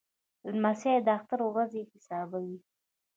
لمسی د اختر ورځې حسابوي.